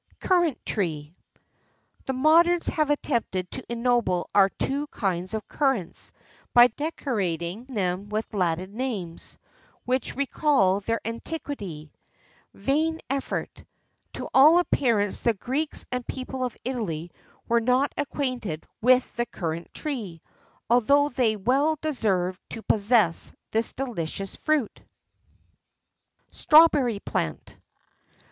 CURRANT TREE. The moderns have attempted to ennoble our two kinds of currants by decorating them with Latin names, which recall their antiquity.[XIII 67] Vain effort! To all appearance the Greeks and people of Italy were not acquainted with the currant tree,[XIII 68] although they well deserved to possess this delicious fruit. STRAWBERRY PLANT.